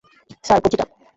Sir, কঁচি ডাব?